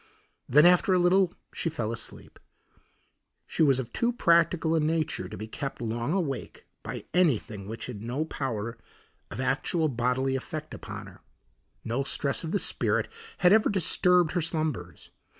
Then after a little she fell asleep; she was of too practical a nature to be kept long awake by anything which had no power of actual bodily effect upon her. No stress of the spirit had ever disturbed her slumbers.